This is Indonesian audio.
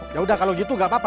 yaudah kalau gitu gak apa apa